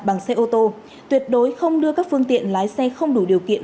bằng xe ô tô tuyệt đối không đưa các phương tiện lái xe không đủ điều kiện